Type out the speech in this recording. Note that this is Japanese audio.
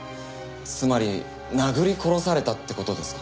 つまり殴り殺されたって事ですか？